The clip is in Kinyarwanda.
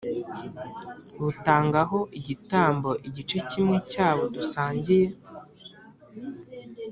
butangaho igitambo igice kimwe cy'abo dusangiye